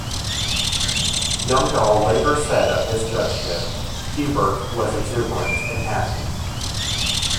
Youngdahl later said of his judgeship: Hubert was exuberant and happy.